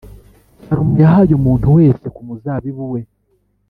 Salomo yahaye umuntu wese ku muzabibu we